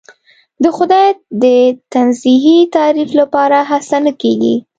د خدای د تنزیهی تعریف لپاره هڅه نه کېږي.